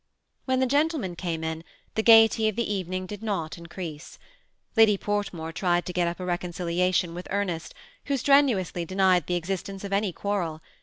When the gentlemen came in, the gayety of the even ing did not Increase. Lady Portmore tried to get up ti reconciliation with Ernest, who strenuously denied the existence of any quarrel.